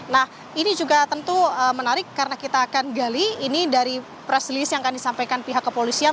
nah ini juga tentu menarik karena kita akan gali ini dari press release yang akan disampaikan pihak kepolisian